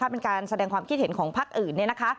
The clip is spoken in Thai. เป็นการแสดงความคิดเห็นของพักอื่น